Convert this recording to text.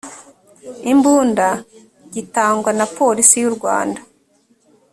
imbunda gitangwa na polisi y u rwanda